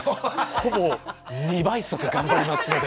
ほぼ２倍速で頑張りますので。